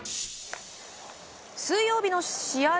水曜日の試合